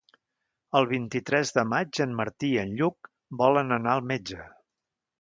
El vint-i-tres de maig en Martí i en Lluc volen anar al metge.